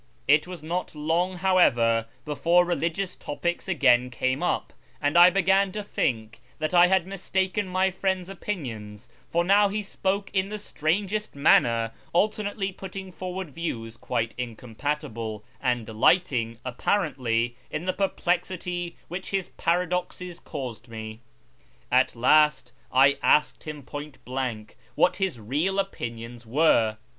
It was not long, however, before religious topics again came up, and I began to think that I had mistaken my friend's opinions, for now he spoke in the strangest manner, alternately putting forward views quite incompatible, and delighting, apparently, in the perplexity "which his paradoxes caused me. At last I asked him point blank what his real opinions were.